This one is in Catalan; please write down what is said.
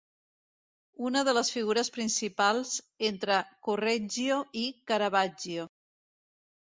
Una de les figures principals entre Correggio i Caravaggio.